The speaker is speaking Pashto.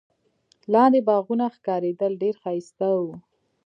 لاندي باغونه ښکارېدل، ډېر ښایسته وو.